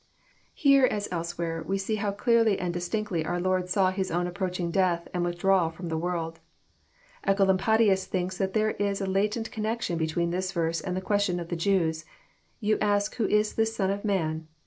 Here, as elsewhere, we see how clearly and distinctly oar JOHN, CHAP. xn. 363 Lord saw His own approaching death and withdrawal Aroin the world. Ecolampadius thinks that there is a latent connection between this verse and the question of the Jews. *^ You ask who is this Son of man ?